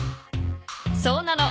そうなの。